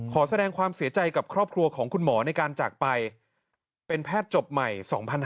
ขอแสดงความเสียใจกับครอบครัวของคุณหมอในการจากไปเป็นแพทย์จบใหม่๒๕๕๙